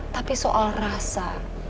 tapi soal rasa